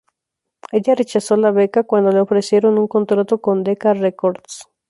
Ella rechazó la beca cuando le ofrecieron un contrato con Decca Records.